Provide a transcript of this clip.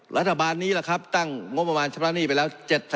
รัฐบาลนี้ล่ะครับตั้งงบประมาณชำระหนี้ไปแล้ว